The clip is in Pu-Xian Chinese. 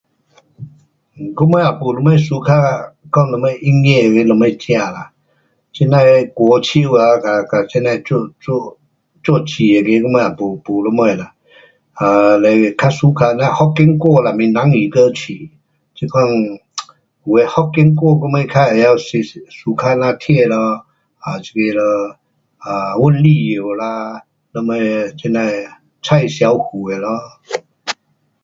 我们也没什么 suka 讲什么音乐那个什么听啦，这样的国手啊，嘎，嘎这样的做，做，做字那个我们也没什么啦 um 嘞较 suka 那福建歌啦，闽南语歌曲。这款 um 有的福建歌我们较会晓 suka 那听的啦，啊这个咯，温力友啦，什么，这样的蔡小虎的咯。